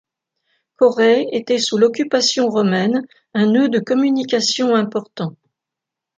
Coray était sous l'occupation romaine un nœud de communication important.